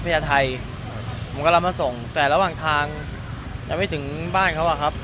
ยาไทยผมกำลังมาส่งแต่ระหว่างทางยังไม่ถึงบ้านเขาอะครับ